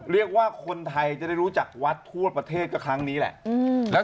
เรียกว่าคนไทยจะได้รู้จักวัดทั่วประเทศก็ครั้งนี้แหละ